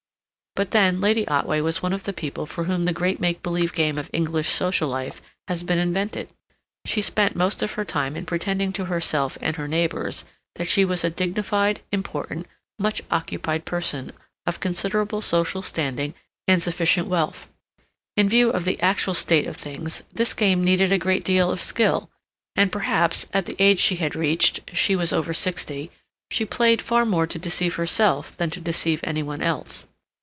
But then Lady Otway was one of the people for whom the great make believe game of English social life has been invented; she spent most of her time in pretending to herself and her neighbors that she was a dignified, important, much occupied person, of considerable social standing and sufficient wealth. In view of the actual state of things this game needed a great deal of skill; and, perhaps, at the age she had reached—she was over sixty—she played far more to deceive herself than to deceive any one else.